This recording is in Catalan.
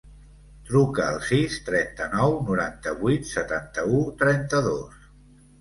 Truca al sis, trenta-nou, noranta-vuit, setanta-u, trenta-dos.